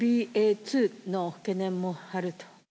ＢＡ．２の懸念もあると。